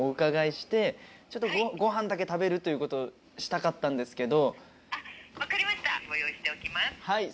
ごはんだけ食べるということをしたかったんですけど。